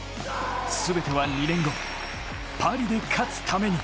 全ては２年後、パリで勝つために。